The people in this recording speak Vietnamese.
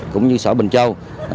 cũng như xã bình châu